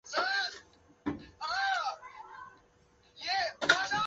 清初传至民间。